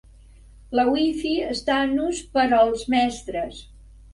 La WiFi està en ús per als mestres.